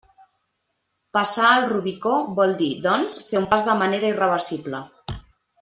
Passar el Rubicó vol dir, doncs, fer un pas de manera irreversible.